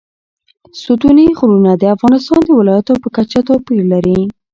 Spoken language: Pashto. ستوني غرونه د افغانستان د ولایاتو په کچه توپیر لري.